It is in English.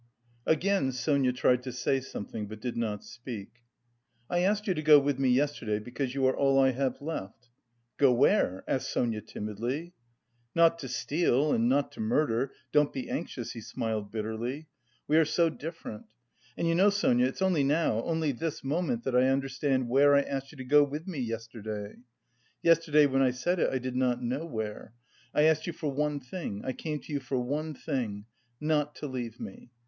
Again Sonia tried to say something, but did not speak. "I asked you to go with me yesterday because you are all I have left." "Go where?" asked Sonia timidly. "Not to steal and not to murder, don't be anxious," he smiled bitterly. "We are so different.... And you know, Sonia, it's only now, only this moment that I understand where I asked you to go with me yesterday! Yesterday when I said it I did not know where. I asked you for one thing, I came to you for one thing not to leave me.